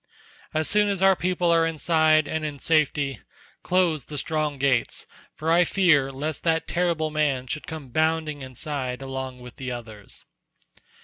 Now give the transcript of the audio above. As soon as our people are inside and in safety, close the strong gates for I fear lest that terrible man should come bounding inside along with the others."